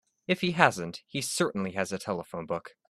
If he hasn't he certainly has a telephone book.